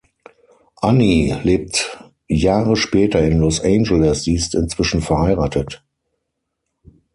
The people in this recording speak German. Annie lebt Jahre später in Los Angeles, sie ist inzwischen verheiratet.